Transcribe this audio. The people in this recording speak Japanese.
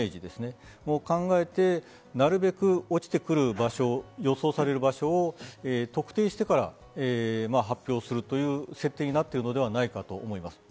これを考えて、なるべく落ちてくる場所、予想される場所を特定してから発表するという設定になっているのではないかと思います。